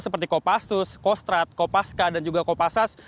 seperti kopassus kostrat kopaska dan juga kopassas